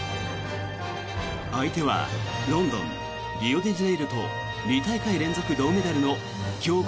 相手はロンドン、リオデジャネイロと２大会連続銅メダルの強豪